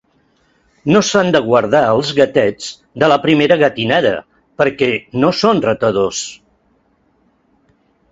No s'han de guardar els gatets de la primera gatinada, perquè no són ratadors.